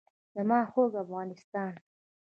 زما خوږ افغانستان.